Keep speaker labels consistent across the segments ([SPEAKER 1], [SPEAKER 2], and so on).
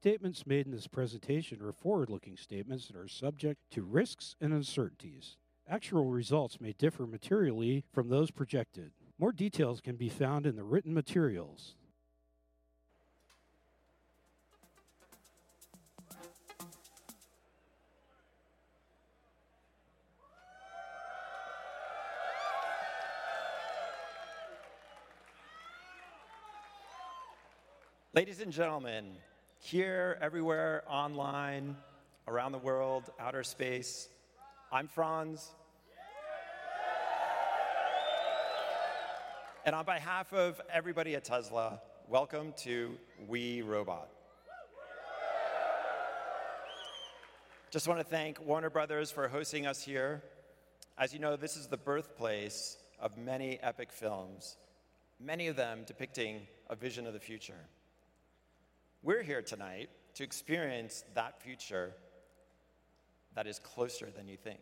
[SPEAKER 1] ...Statements made in this presentation are forward-looking statements that are subject to risks and uncertainties. Actual results may differ materially from those projected. More details can be found in the written materials.
[SPEAKER 2] Ladies and gentlemen, here, everywhere, online, around the world, outer space, I'm Franz. And on behalf of everybody at Tesla, welcome to We, Robot. Just wanna thank Warner Bros. for hosting us here. As you know, this is the birthplace of many epic films, many of them depicting a vision of the future. We're here tonight to experience that future that is closer than you think.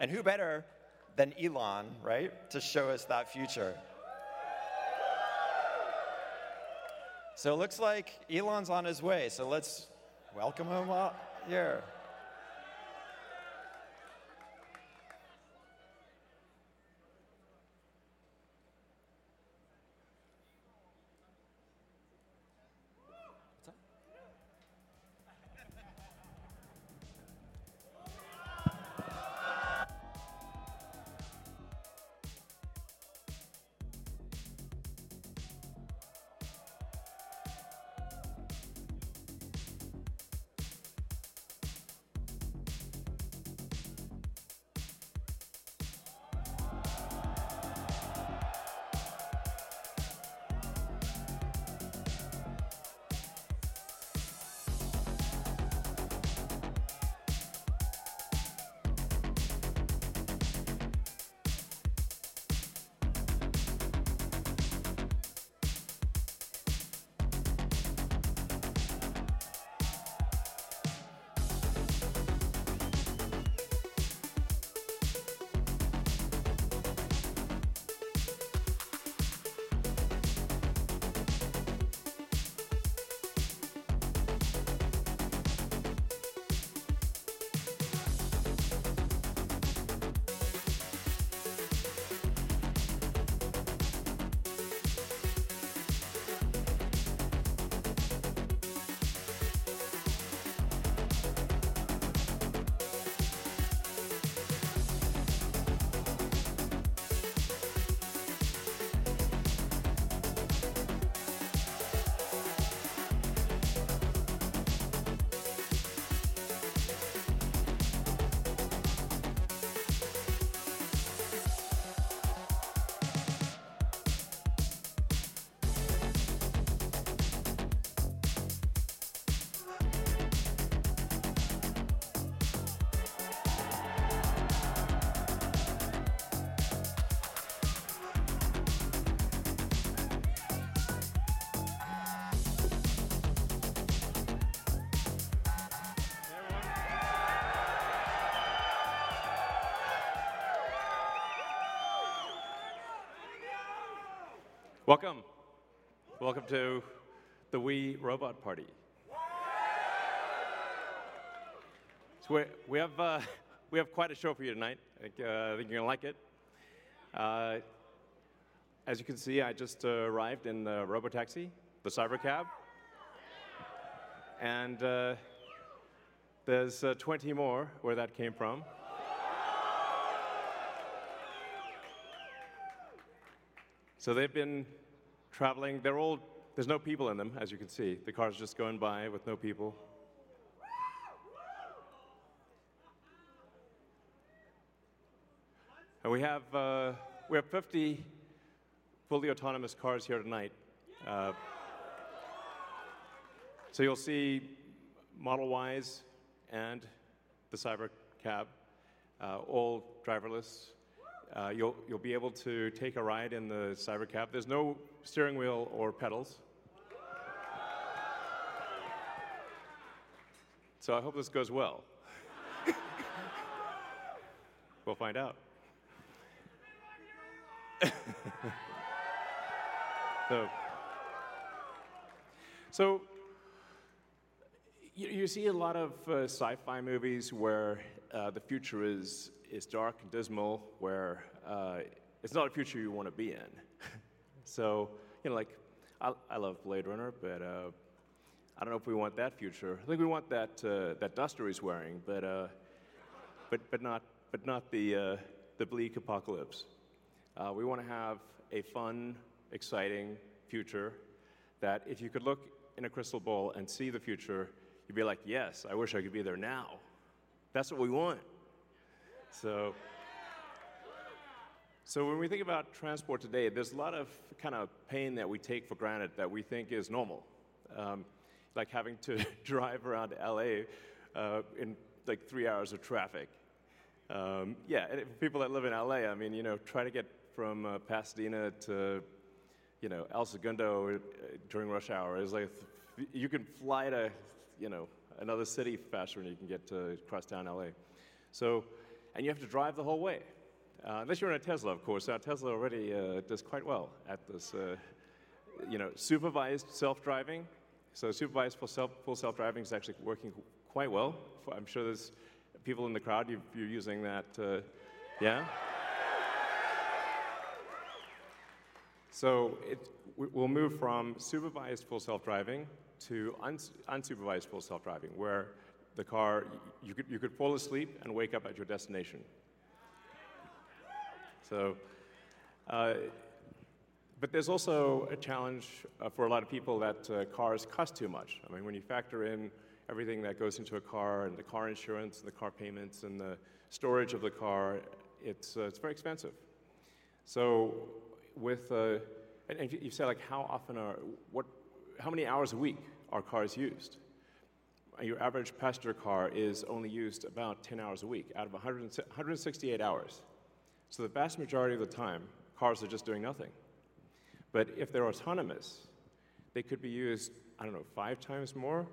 [SPEAKER 2] And who better than Elon, right, to show us that future? So it looks like Elon's on his way, so let's welcome him out here.
[SPEAKER 3] Welcome! Welcome to the We, Robot party, so we have quite a show for you tonight. I think you're gonna like it. As you can see, I just arrived in the Robotaxi, the Cybercab. And there's 20 more where that came from, so they've been traveling. There's no people in them, as you can see. The cars are just going by with no people. And we have 50 fully autonomous cars here tonight, so you'll see Model Ys and the Cybercab, all driverless. You'll be able to take a ride in the Cybercab. There's no steering wheel or pedals, so I hope this goes well. We'll find out.
[SPEAKER 1] We want you, Elon!
[SPEAKER 3] You see a lot of sci-fi movies where the future is dark and dismal, where it's not a future you wanna be in. So, you know, like, I love Blade Runner, but I don't know if we want that future. I think we want that duster he's wearing, but not the bleak apocalypse. We wanna have a fun, exciting future that if you could look in a crystal ball and see the future, you'd be like: "Yes, I wish I could be there now." That's what we want. So when we think about transport today, there's a lot of kind of pain that we take for granted that we think is normal. Like having to drive around LA in like three hours of traffic. Yeah, and people that live in LA, I mean, you know, trying to get from Pasadena to, you know, El Segundo during rush hour is like. You can fly to, you know, another city faster than you can get to crosstown LA. So, and you have to drive the whole way. Unless you're in a Tesla, of course. Our Tesla already does quite well at this, you know, supervised Supervised Full Self-Driving is actually working quite well. I'm sure there's people in the crowd, you're using that, yeah? So we'll Unsupervised Full Self-Driving, where the car, you could fall asleep and wake up at your destination. So, but there's also a challenge for a lot of people that cars cost too much. I mean, when you factor in everything that goes into a car, and the car insurance, and the car payments, and the storage of the car, it's very expensive. So with and you say, like, how often are how many hours a week are cars used? Your average passenger car is only used about 10 hours a week out of a hundred and sixty-eight hours. So the vast majority of the time, cars are just doing nothing. But if they're autonomous, they could be used, I don't know, 5x more?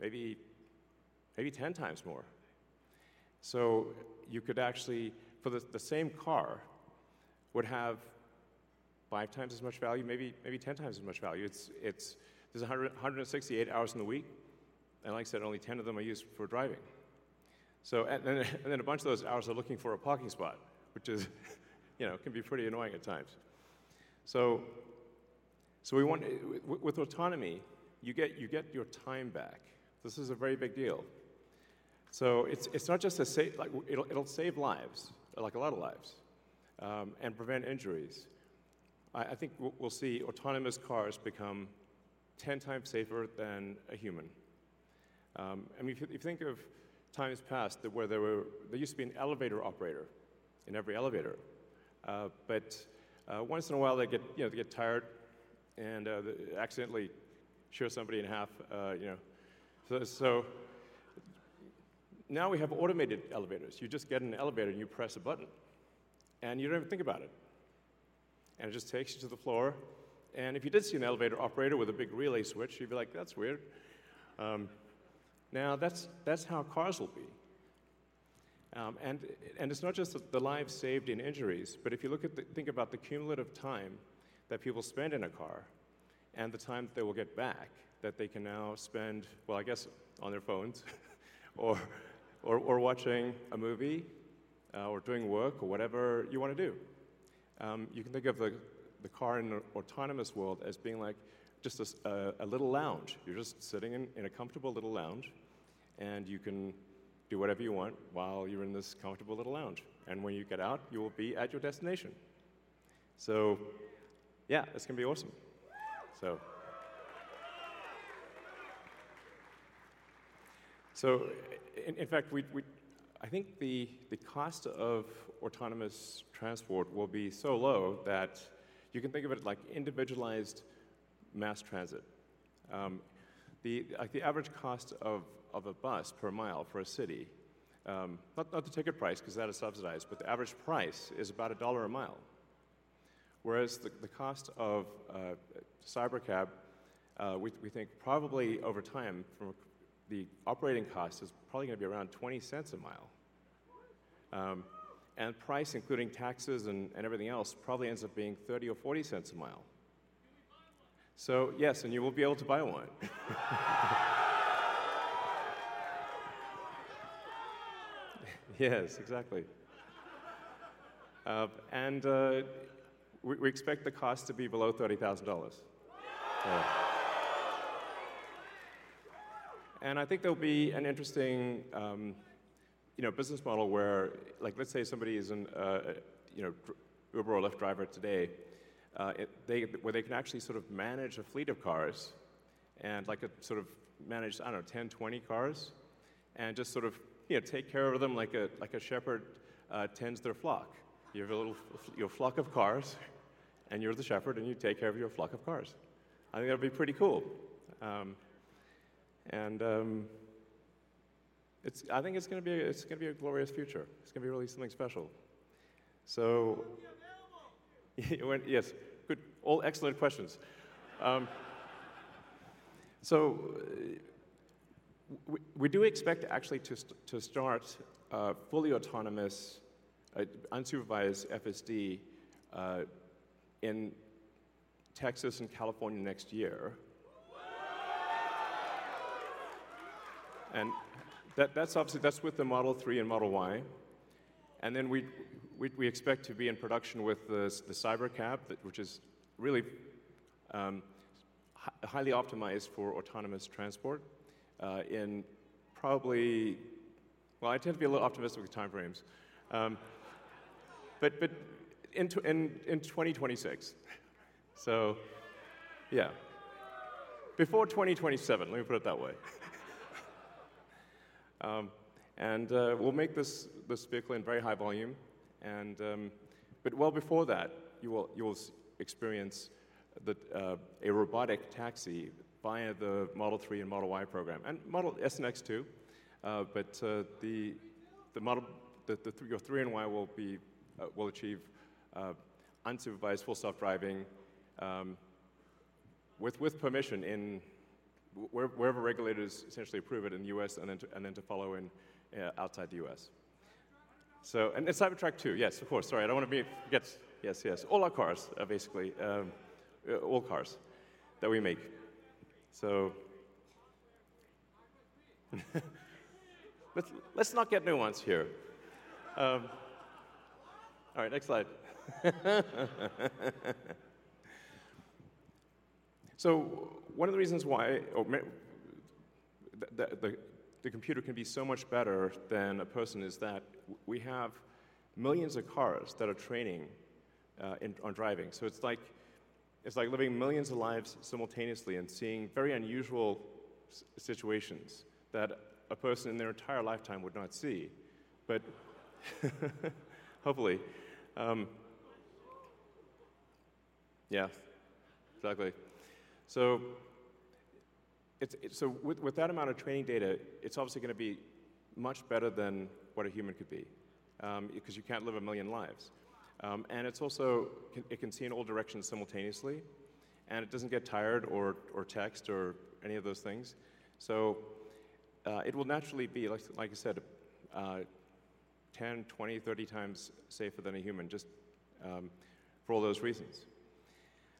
[SPEAKER 3] Maybe, maybe 10x more. So you could actually, for the same car, would have 5x as much value, maybe, maybe 10x as much value. It's- there's a hundred and sixty-eight hours in the week, and like I said, only ten of them are used for driving. So and then a bunch of those hours are looking for a parking spot, which, you know, can be pretty annoying at LAX. So we want... With autonomy, you get your time back. This is a very big deal. So it's not just a safe, like, it'll save lives, like a lot of lives, and prevent injuries. I think we'll see autonomous cars become 10x safer than a human. I mean, if you think of the past, that where there were... There used to be an elevator operator in every elevator. But once in a while, they'd get, you know, they'd get tired and they'd accidentally shear somebody in half, you know. So now we have automated elevators. You just get in an elevator, and you press a button, and you don't even think about it. And it just takes you to the floor, and if you did see an elevator operator with a big relay switch, you'd be like, "That's weird." Now, that's how cars will be. And it's not just the lives saved and injuries, but if you look at, think about the cumulative time that people spend in a car and the time that they will get back, that they can now spend, well, I guess, on their phones, or watching a movie, or doing work, or whatever you wanna do. You can think of the car in an autonomous world as being like just a little lounge. You're just sitting in a comfortable little lounge, and you can do whatever you want while you're in this comfortable little lounge, and when you get out, you will be at your destination, so yeah, it's gonna be awesome, so in fact, we I think the cost of autonomous transport will be so low that you can think of it like individualized mass transit. Like, the average cost of a bus per mile for a city, not the ticket price, 'cause that is subsidized, but the average price is about a dollar a mile. Whereas the cost of Cybercab, we think probably over time from a... The operating cost is probably gonna be around $0.20 a mile, and price, including taxes and everything else, probably ends up being $0.30 or $0.40 a mile.
[SPEAKER 1] Can we buy one?
[SPEAKER 3] Yes, and you will be able to buy one. Yes, exactly. And we expect the cost to be below $30,000. Yeah. And I think there'll be an interesting, you know, business model where, like, let's say somebody is an, you know, Uber or Lyft driver today, where they can actually sort of manage a fleet of cars and, like, sort of manage, I don't know, 10, 20 cars, and just sort of, you know, take care of them like a shepherd, tends their flock. You have a little, your flock of cars, and you're the shepherd, and you take care of your flock of cars. I think that'd be pretty cool. And I think it's gonna be a glorious future. It's gonna be really something special. So-
[SPEAKER 1] When will be available?
[SPEAKER 3] Yes. Good, all excellent questions. So we do expect actually to start fully autonomous Unsupervised FSD in Texas and California next year, and that's obviously with the Model 3 and Model Y, and then we expect to be in production with the Cybercab, that which is really highly optimized for autonomous transport in probably, well, I tend to be a little optimistic with time frames, but in twenty twenty-six, so yeah, before twenty twenty-seven, let me put it that way, and we'll make this vehicle in very high volume, and but well before that, you will experience a robotic taxi via the Model 3 and Model Y program, and Model S and X, too. But the Model 3 and Y Unsupervised Full Self-Driving with permission wherever regulators essentially approve it in the U.S. and then to follow outside the U.S. So and it's Cybertruck too, yes, of course. Sorry, I don't wanna be, yes, yes, yes. All our cars, basically, all cars that we make. So let's not get nuanced here. All right, next slide. So one of the reasons why, or maybe the computer can be so much better than a person is that we have millions of cars that are training on driving. So it's like living millions of lives simultaneously and seeing very unusual situations that a person in their entire lifetime would not see. But, hopefully, Yeah, exactly. So it's with that amount of training data, it's obviously gonna be much better than what a human could be, because you can't live a million lives. And it's also, it can see in all directions simultaneously, and it doesn't get tired or text or any of those things. So it will naturally be, like I said, ten, 20, 30x safer than a human, just for all those reasons.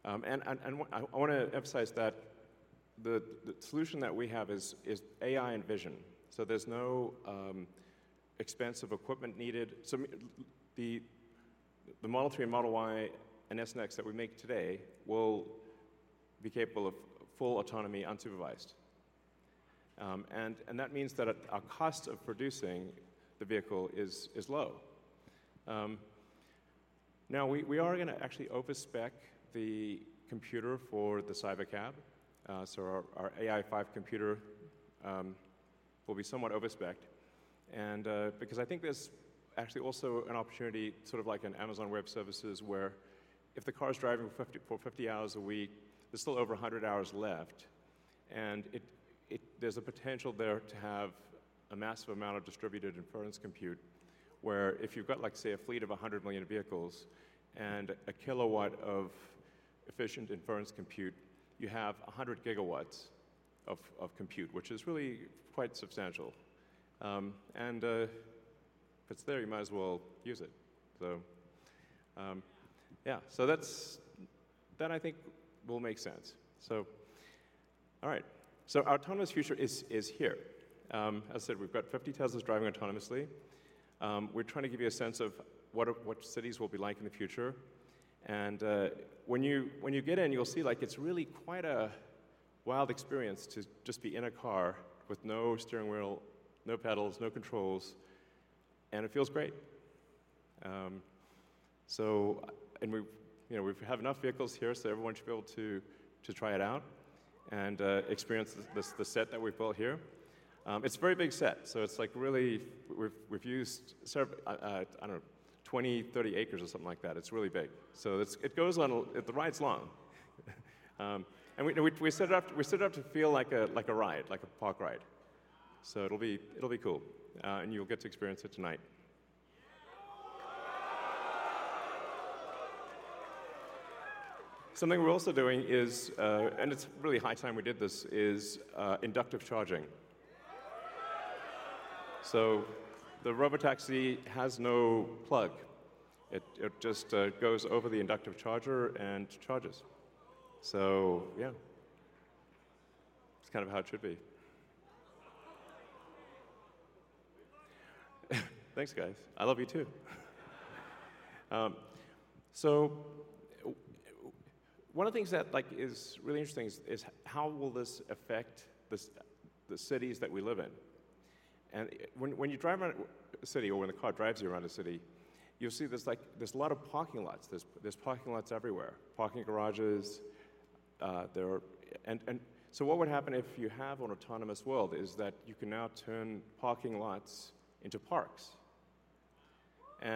[SPEAKER 3] And I wanna emphasize that the solution that we have is AI and vision, so there's no expensive equipment needed. So the Model 3 and Model Y and Model S and Model X that we make today will be capable of full autonomy unsupervised. And that means that our cost of producing the vehicle is low. Now we are gonna actually overspec the computer for the Cybercab, so our AI5 computer will be somewhat overspecced. Because I think there's actually also an opportunity, sort of like in Amazon Web Services, where if the car's driving fifty hours a week, there's still over a hundred hours left, and there's a potential there to have a massive amount of distributed inference compute, where if you've got, like say, a fleet of a hundred million vehicles and a kilowatt of efficient inference compute, you have a hundred gigawatts of compute, which is really quite substantial. If it's there, you might as well use it, so yeah. That's... That, I think, will make sense. All right. Our autonomous future is here. As I said, we've got 50 Teslas driving autonomously. We're trying to give you a sense of what cities will be like in the future, and when you get in, you'll see, like, it's really quite a wild experience to just be in a car with no steering wheel, no pedals, no controls, and it feels great. So and we've, you know, we have enough vehicles here, so everyone should be able to try it out and experience the set that we've built here. It's a very big set, so it's, like, really, we've used, I don't know, 20, 30 acres or something like that. It's really big. So it's, it goes on a... The ride's long. We set it up to feel like a ride, like a park ride. So it'll be cool, and you'll get to experience it tonight. Something we're also doing, and it's really high time we did this, is inductive charging. So the Robotaxi has no plug. It just goes over the inductive charger and charges. So yeah, that's kind of how it should be.
[SPEAKER 1] We love you!
[SPEAKER 3] Thanks, guys. I love you, too. So one of the things that, like, is really interesting is how will this affect the cities that we live in? When you drive around a city or when a car drives you around a city, you'll see there's, like, a lot of parking lots. There's parking lots everywhere, parking garages, there are. So what would happen if you have an autonomous world is that you can now turn parking lots into parks. We're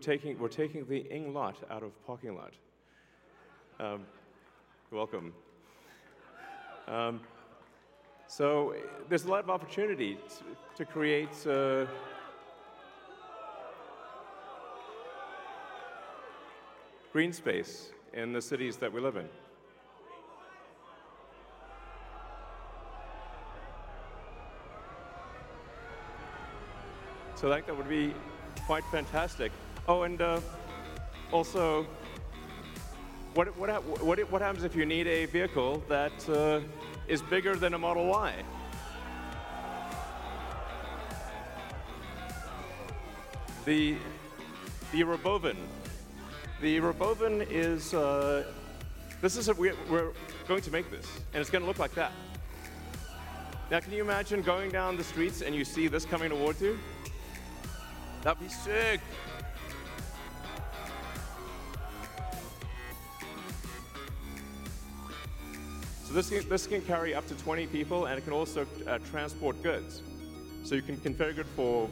[SPEAKER 3] taking the parking lot out of parking lot. You're welcome. So there's a lot of opportunity to create green space in the cities that we live in. That would be quite fantastic. Oh, and also, what happens if you need a vehicle that is bigger than a Model Y? The Robovan. The Robovan is. This is real. We're going to make this, and it's gonna look like that. Now, can you imagine going down the streets and you see this coming towards you? That'd be sick! So this can carry up to 20 people, and it can also transport goods. So you can configure it for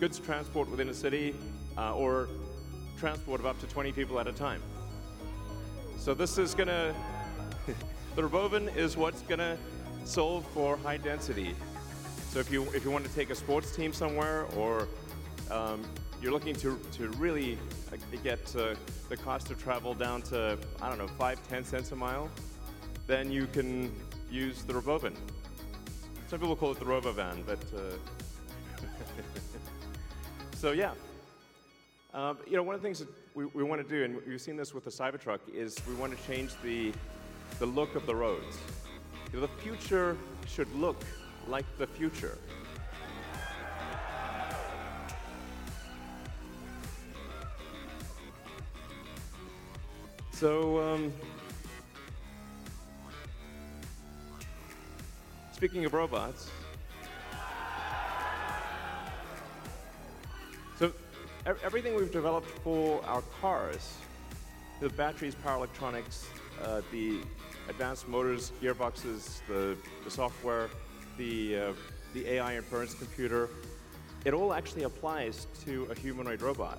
[SPEAKER 3] goods transport within a city, or transport of up to 20 people at a time. The Robovan is what's gonna solve for high density. So if you want to take a sports team somewhere or you're looking to really, like, get the cost of travel down to, I don't know, $0.05-$0.10 a mile, then you can use the Robovan. Some people call it the Robo Van, but so yeah. You know, one of the things that we wanna do, and you've seen this with the Cybertruck, is we want to change the look of the roads. The future should look like the future. So, speaking of robots, everything we've developed for our cars, the batteries, power electronics, the advanced motors, gearboxes, the software, the AI inference computer, it all actually applies to a humanoid robot.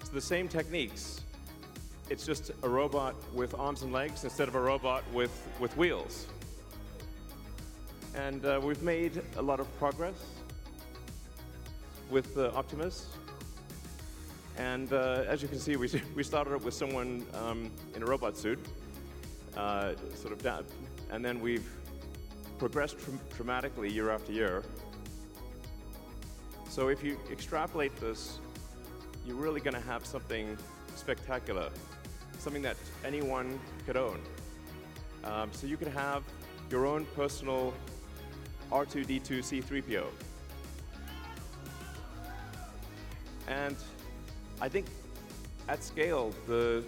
[SPEAKER 3] It's the same techniques. It's just a robot with arms and legs instead of a robot with wheels. And we've made a lot of progress with the Optimus. And as you can see, we started out with someone in a robot suit, sort of clown, and then we've progressed dramatically year after year. So if you extrapolate this, you're really gonna have something spectacular, something that anyone could own. So you can have your own personal R2-D2 C-3PO. And I think at scale, you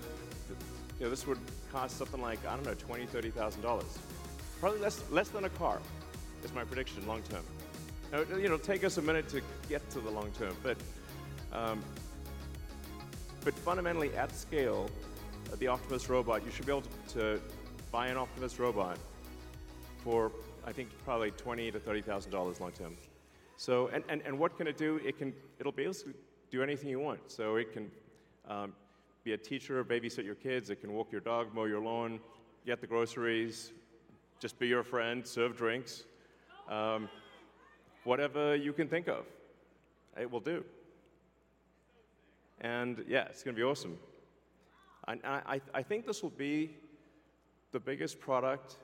[SPEAKER 3] know, this would cost something like, I don't know, $20,000-$30,000. Probably less than a car, is my prediction long term. Now, it'll, you know, take us a minute to get to the long term, but, but fundamentally at scale, the Optimus robot, you should be able to buy an Optimus robot for, I think, probably $20,000-$30,000 long term. So, what can it do? It'll be able to do anything you want. So it can be a teacher or babysit your kids, it can walk your dog, mow your lawn, get the groceries, just be your friend, serve drinks. Whatever you can think of, it will do.
[SPEAKER 1] So great.
[SPEAKER 3] Yeah, it's gonna be awesome. I think this will be the biggest product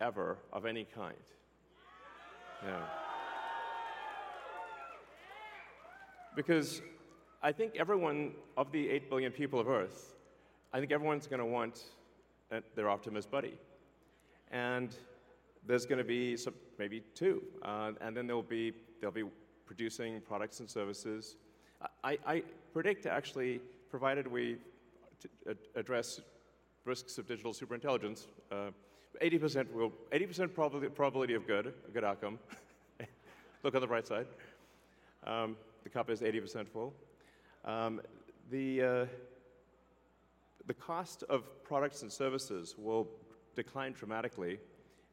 [SPEAKER 3] ever of any kind. Yeah. Because I think everyone, of the eight billion people of Earth, I think everyone's gonna want their Optimus buddy. And there's gonna be some, maybe two, and then they'll be producing products and services. I predict, actually, provided we address risks of digital superintelligence, 80% probability of a good outcome. Look on the bright side, the cup is 80% full. The cost of products and services will decline dramatically,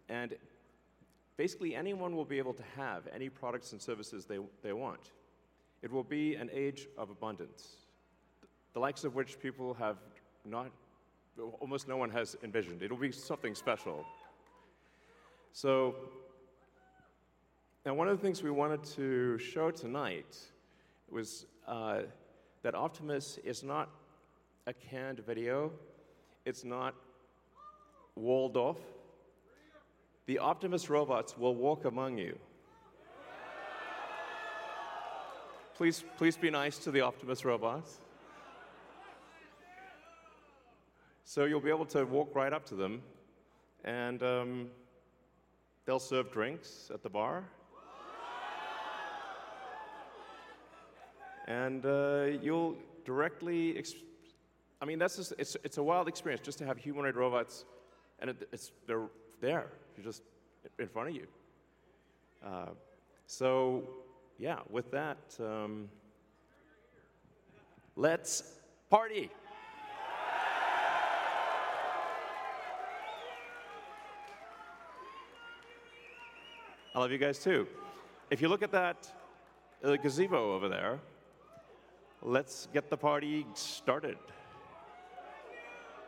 [SPEAKER 3] and basically anyone will be able to have any products and services they want. It will be an age of abundance, the likes of which almost no one has envisioned. It'll be something special. So and one of the things we wanted to show tonight was that Optimus is not a canned video, it's not walled off.
[SPEAKER 1] Free them!
[SPEAKER 3] The Optimus robots will walk among you. Please, please be nice to the Optimus robots.
[SPEAKER 1] Yeah!
[SPEAKER 3] You'll be able to walk right up to them, and they'll serve drinks at the bar. I mean, that's just a wild experience just to have humanoid robots, and they're there just in front of you. Yeah, with that.
[SPEAKER 1] We're here.
[SPEAKER 3] Let's party!
[SPEAKER 1] We love you, Elon!
[SPEAKER 3] I love you guys, too. If you look at that, the gazebo over there. Let's get the party started.